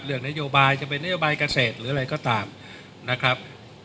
เรื่องนโยบายจะเป็นนโยบายเกษตรหรืออะไรก็ตามนะครับ